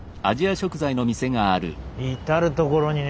至る所にね